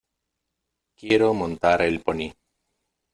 Quiero montar el pony.